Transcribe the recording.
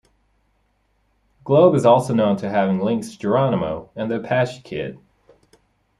Globe is also known for having links to Geronimo and the Apache Kid.